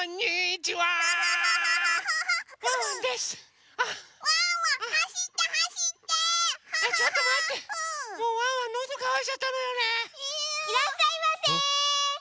いらっしゃいませ！